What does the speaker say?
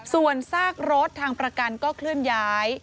ส่วนซากรถทางประกันก็เคลื่อนย้าย